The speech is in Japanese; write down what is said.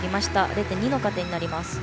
０．２の加点になります。